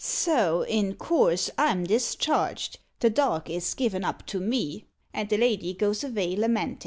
So in course I'm discharged; the dog is given up to me; and the lady goes avay lamentin'.